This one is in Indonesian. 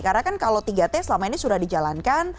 karena kan kalau tiga t selama ini sudah dijalankan